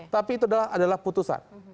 tapi itu adalah putusan